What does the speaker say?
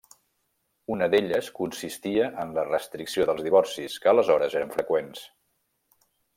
Una d'elles consistia en la restricció dels divorcis, que aleshores eren freqüents.